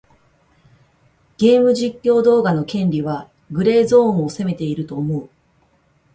ゲーム実況動画の権利はグレーゾーンを攻めていると思う。